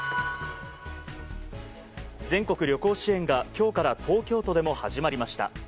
全国旅行支援が今日から東京都でも始まりました。